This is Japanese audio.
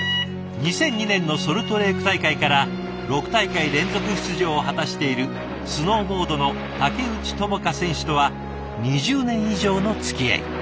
２００２年のソルトレーク大会から６大会連続出場を果たしているスノーボードの竹内智香選手とは２０年以上のつきあい。